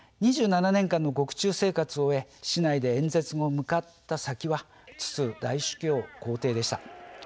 ２７年間の獄中生活を終え市内で演説後、向かったのはツツ大主教の公邸でした。